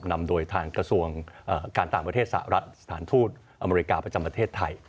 นำโดยทางกระทรวงการต่างประเทศสหรัฐสถานทูตอเมริกาประจำประเทศไทย